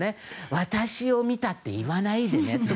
私を見たって言わないでねって。